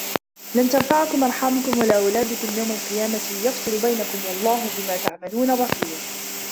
لن تنفعكم أرحامكم ولا أولادكم يوم القيامة يفصل بينكم والله بما تعملون بصير